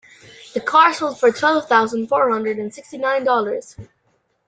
The car sold for twelve thousand four hundred and sixty nine dollars.